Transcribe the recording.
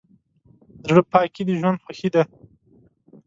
زړه پاکي د ژوند خوښي ده.